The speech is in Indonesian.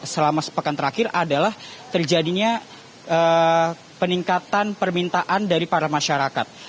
selama sepekan terakhir adalah terjadinya peningkatan permintaan dari para masyarakat